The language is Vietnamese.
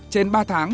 trên ba tháng